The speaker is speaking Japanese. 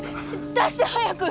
出して早く！